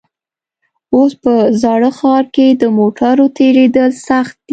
اوس په زاړه ښار کې د موټرو تېرېدل سخت دي.